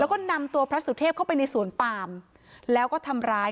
แล้วก็นำตัวพระสุเทพเข้าไปในสวนปามแล้วก็ทำร้าย